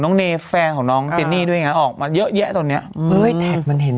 น้องเนฟแฟนของน้องเตนี่ด้วยไงออกมาเยอะแยะตรงเนี้ยเออมันเห็น